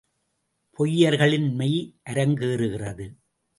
பொய்யர்களின் மெய் அரங்கேறுகிறது.